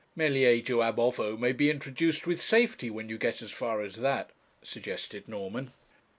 'Meleager ab ovo may be introduced with safety when you get as far as that,' suggested Norman.